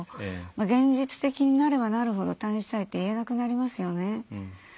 現実的になればなるほど退院したいって言えなくなりますよね。